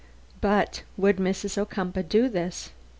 But would Mrs. Ocumpaugh do this?